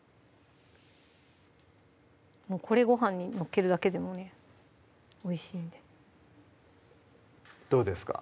これごはんに載っけるだけでもねおいしいんでどうですか？